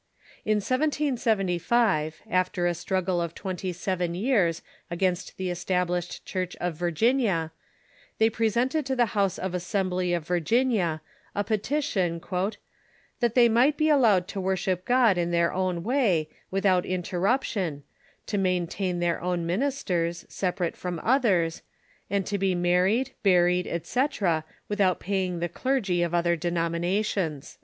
In 1775, after a struggle of twenty seven years against the Established Church of Virginia, they presented to the House of Assembly of Virginia a petition "that they might be allowed to worship God in their own way, without interruption; to maintain their own ministers, separate from others ; and to be married, buried, etc., without paying the clergy of other denominations."